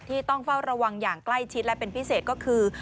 ต้องเฝ้าระวังอย่างใกล้ชิดและเป็นพิเศษก็คือ